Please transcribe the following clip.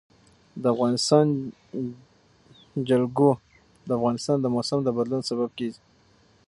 د افغانستان جلکو د افغانستان د موسم د بدلون سبب کېږي.